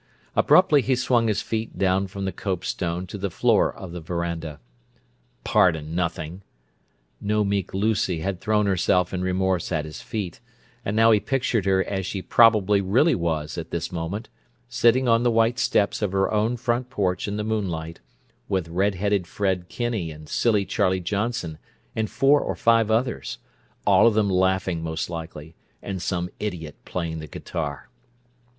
Abruptly he swung his feet down from the copestone to the floor of the veranda. "Pardon nothing!" No meek Lucy had thrown herself in remorse at his feet; and now he pictured her as she probably really was at this moment: sitting on the white steps of her own front porch in the moonlight, with red headed Fred Kinney and silly Charlie Johnson and four or five others—all of them laughing, most likely, and some idiot playing the guitar!